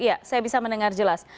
iya saya bisa mendengar jelas